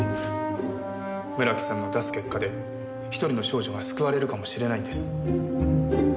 村木さんの出す結果で一人の少女が救われるかもしれないんです。